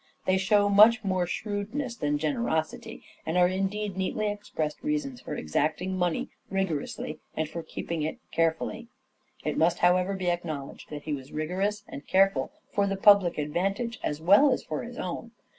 They show much more shrewdness than generosity, and are indeed neatly expressed reasons for exacting money rigorously and for keeping it carefully. It must, however, be acknowledged that he was rigorous and careful for the public advantage as well as for his own.